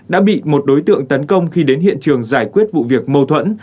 đã bị một đối tượng tấn công khi đến hiện trường giải quyết vụ việc mâu thuẫn